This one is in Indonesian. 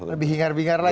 lebih hingar bingar lagi